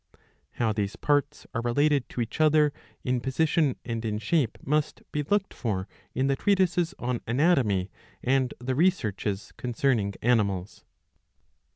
How these parts are related to each other, in position and in shape, must be looked . for in the treatises on Anatomy and the Researches concerning Animals.""